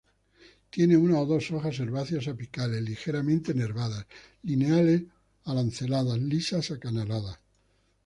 Tiene una o dos hojas herbáceas apicales, ligeramente nervadas, lineares a lanceoladas, lisas, acanaladas.